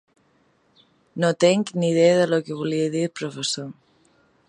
No tinc ni idea de lo que volia dir el professor.